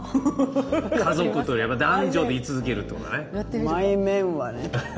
家族とやっぱ男女で居続けるってことだね。